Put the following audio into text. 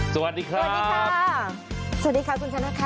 สวัสดีครับสวัสดีครับสวัสดีครับคุณฉันด้วยครับ